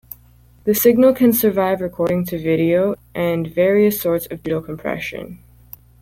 The signal can survive recording to video, and various sorts of digital compression.